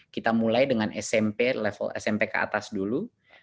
kita mulai dengan smp ke atas dulu